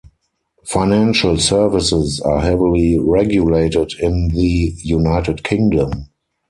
Financial services are heavily regulated in the United Kingdom.